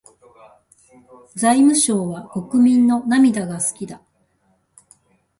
財務省は国民の涙が好きだ。